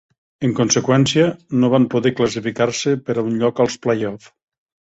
En conseqüència, no van poder classificar-se per a un lloc als playoff.